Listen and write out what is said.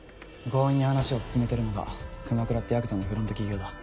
強引に話を進めてるのが熊倉ってヤクザのフロント企業だ。